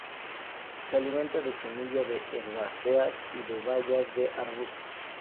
Se alimenta de semillas de herbáceas y de bayas de arbustos.